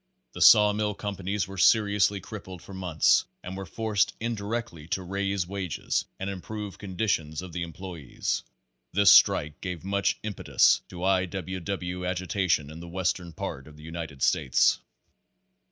The saw mill companies were serious ly crippled for months, and were forced indirectly to raise wages and improve conditions of the employes. This strike gave much impetus to I. W. W. agitation in the western part of the United States.